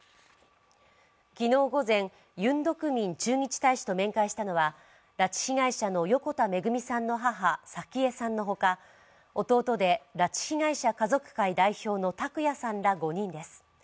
昨日午前、ユン・ドクミン駐日大使と面会したのは、拉致被害者の横田めぐみさんの母・早紀江さんのほか、弟で、拉致被害者家族会代表の拓也さんら５人です。